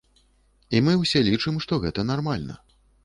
І мы ўсе лічым, што гэта нармальна.